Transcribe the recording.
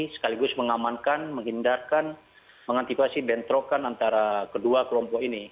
sekaligus mengamankan menghindarkan mengantisipasi bentrokan antara kedua kelompok ini